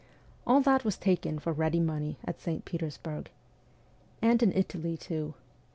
All that was taken for ready money at St. Petersburg. And in Italy, too.